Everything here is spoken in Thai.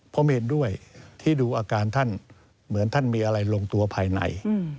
ผมเห็นด้วยที่ดูอาการท่านเหมือนท่านมีอะไรลงตัวภายใน